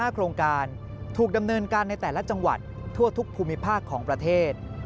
โครงการถูกดำเนินการในแต่ละจังหวัดทั่วทุกภูมิภาคของประเทศ